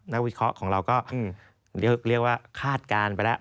วิเคราะห์ของเราก็เรียกว่าคาดการณ์ไปแล้ว